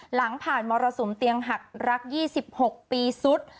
หลังผ่านมรสุมเตียงหักรัก๒๖ปีสุด